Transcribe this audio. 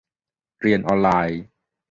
- เรียนออนไลน์